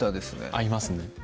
合いますね